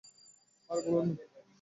আরে, বলুন না।